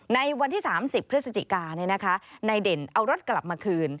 ในวันที่๓๐พฤศจิกานายเด่นเอารถกลับมาคืน